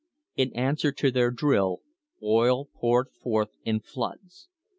In answer to their drill, oil poured forth in floods.